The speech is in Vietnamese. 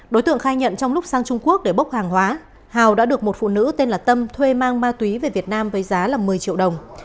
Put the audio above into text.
đối tượng khai nhận trong lúc sang trung quốc để bốc hàng hóa hào đã được một phụ nữ tên là tâm thuê mang ma túy về việt nam với giá một mươi triệu đồng